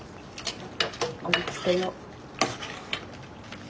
盛りつけよ。